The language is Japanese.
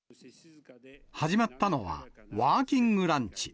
始まったのは、ワーキングランチ。